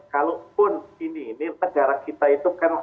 kalaupun ini negara kita itu kan